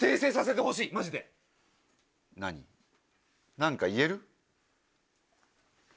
何か言える？